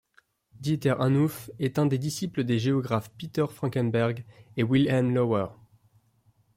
Dieter Anhuf est un des disciples des géographes Peter Frankenberg et Wilhelm Lauer.